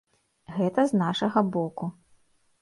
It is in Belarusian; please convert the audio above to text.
Гэта з нашага боку.